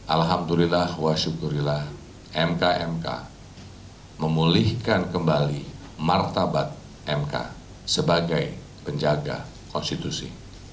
alhamdulillah wa syukurilah mk mk memulihkan kembali martabat mk sebagai penjaga konstitusi